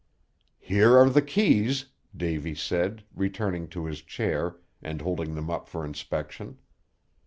"Here are the keys," Davy said, returning to his chair, and holding them up for inspection.